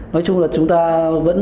nói chung là chúng ta vẫn